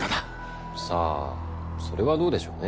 さあそれはどうでしょうね。